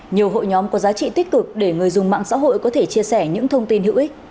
nhiều hội nhóm có giá trị tích cực để người dùng mạng xã hội có thể chia sẻ những thông tin hữu ích